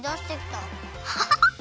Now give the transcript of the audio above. ハハハハ！